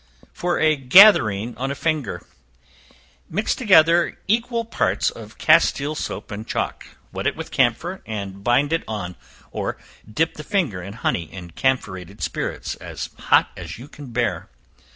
For a Gathering on a Finger. Mix together equal parts of castile soap and chalk; wet it with camphor, and bind it on, or dip the finger in honey and camphorated spirits, as hot as you can bear.